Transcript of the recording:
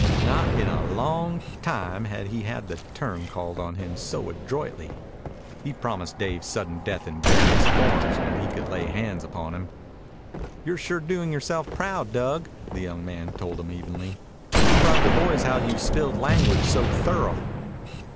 Not in a long time had he had the turn called on him so adroitly. He promised Dave sudden death in various forms whenever he could lay hands upon him. "You're sure doin' yoreself proud, Dug," the young man told him evenly. "I'll write the boys how you spilled language so thorough."